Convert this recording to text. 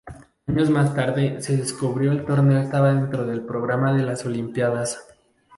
Años más tarde se descubrió el torneo estaba dentro del programa de las Olimpíadas.